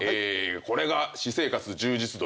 これが私生活充実度